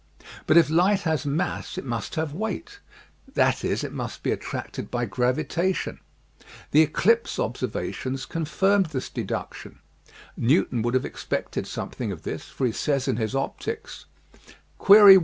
But if light has mass it must have weight; that is, it must be attracted by gravitation. The eclipse observa tions confirmed this deduction. Newton would have expected something of this, for he says in his Opticks: * Query i.